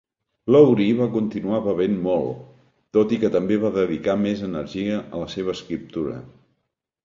Lowry va continuar bevent molt, tot i que també va dedicar més energia a la seva escriptura.